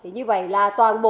như vậy là toàn bộ